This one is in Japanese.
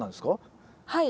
はい。